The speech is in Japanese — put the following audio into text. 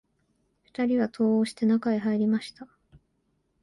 二人は戸を押して、中へ入りました